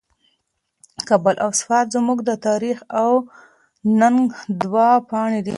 کابل او سوات زموږ د تاریخ او ننګ دوه پاڼې دي.